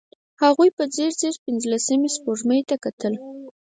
هغه په ځير ځير پينځلسمې سپوږمۍ ته کتل.